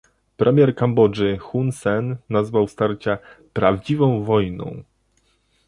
Premier Kambodży Hun Sen nazwał starcia "prawdziwą wojną"